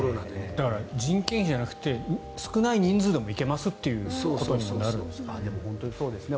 だから人件費だけじゃなくて少ない人数でも行けますっていうことになるんですかね。